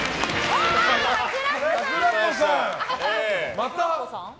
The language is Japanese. また？